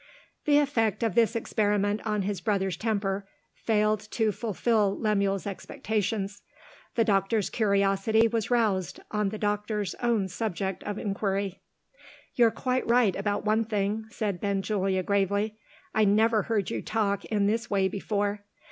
The effect of this experiment on his brother's temper, failed to fulfil Lemuel's expectations. The doctor's curiosity was roused on the doctor's own subject of inquiry. "You're quite right about one thing," said Benjulia gravely; "I never heard you talk in this way before.